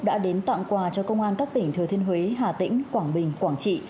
đã đến tặng quà cho công an các tỉnh thừa thiên huế hà tĩnh quảng bình quảng trị